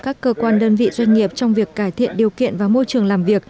các cơ quan đơn vị doanh nghiệp trong việc cải thiện điều kiện và môi trường làm việc